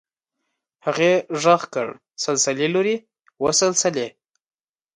هغې غږ کړ سلسلې لورې وه سلسلې.